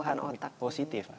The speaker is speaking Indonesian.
dampaknya sangat positif